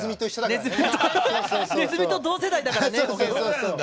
ねずみと同世代だからね。